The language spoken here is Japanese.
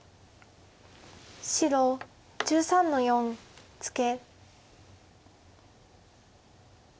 白１３の四ツケ。